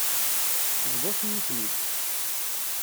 Bḍut-iyi-ten-id.